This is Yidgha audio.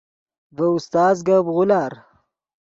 ڤے استاز گپ غولار